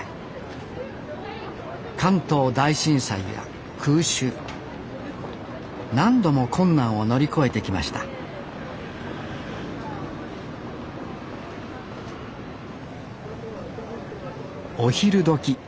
関東大震災や空襲何度も困難を乗り越えてきましたお昼どき